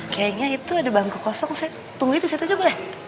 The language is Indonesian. kayaknya itu ada bangku kosong saya tungguin di situ aja boleh